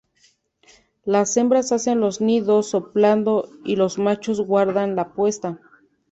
Las hembras hacen los nidos soplando y los machos guardan la puesta.